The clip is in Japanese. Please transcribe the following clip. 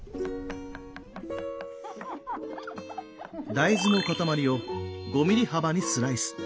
大豆の塊を５ｍｍ幅にスライス。